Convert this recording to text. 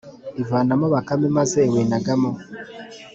ivanamo bakame, maze iwinagamo